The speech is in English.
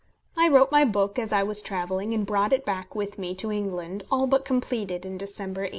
I wrote my book as I was travelling, and brought it back with me to England all but completed in December, 1872.